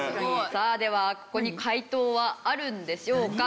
さあではここに解答はあるんでしょうか？